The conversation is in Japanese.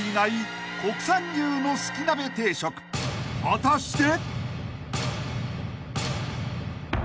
［果たして］